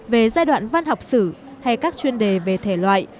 về giai đoạn văn học sử hay các chuyên đề về thể loại